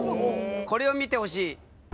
これを見てほしい。